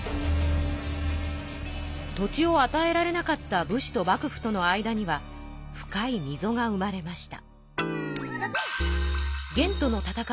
土地をあたえられなかった武士と幕府との間には深いみぞが生まれました。